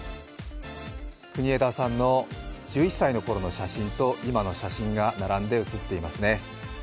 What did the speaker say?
国枝さんの１１歳のころの写真と今の写真が並んで写っていますね。